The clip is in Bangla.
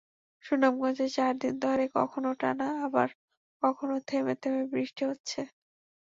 সুনামগঞ্জে চার দিন ধরে কখনো টানা আবার কখনো থেমে থেমে বৃষ্টি হচ্ছে।